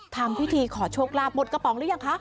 ทำพิธีขอโชคลาภหมดกระป๋องหรือยังคะ